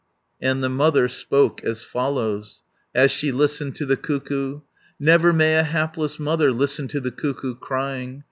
And the mother spoke as follows! As she listened to the cuckoo: "Never may a hapless mother Listen to the cuckoo crying!